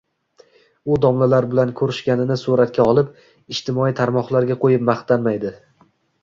U domlalar bilan ko‘rishganini suratga olib, ijtimoiy tarmoqlarga qo‘yib maqtanmaydi.